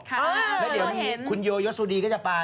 แล้วเดี๋ยวนี้คุณโยยศสุดีก็จะไป